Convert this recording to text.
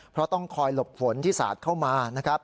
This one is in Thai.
เพราะต้องคอยหลบฝนที่สาดเข้ามานะครับ